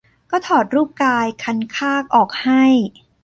ก็ถอดรูปกายคันคากออกให้